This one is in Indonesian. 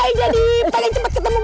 saya jadi paling cepat ketemu bang pi